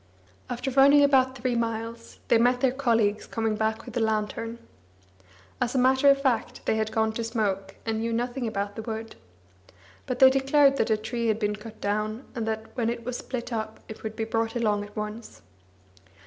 After running about three miles, they met their colleagues coming back with a lantern. As a matter of fact, they had gone to smoke, and knew nothing about the wood. But they declared that a tree had been cut down, and that, when it was split up, it would be brought along at once.